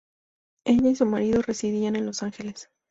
Ella y su marido residían en Los Ángeles.